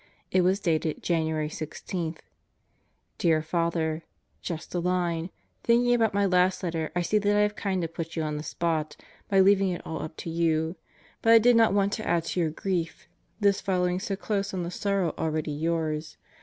It was dated January 16: Dear Father: Just a line. Thinking about my last letter I see that I have kinda put you on the spot, by leaving it all up to you. But I did not want "to add to your grief this following so close on the sorrow already yours.